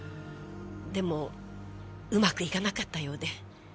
でもうまくいかなかったようで。